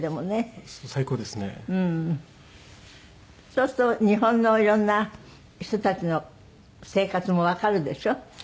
そうすると日本のいろんな人たちの生活もわかるでしょ？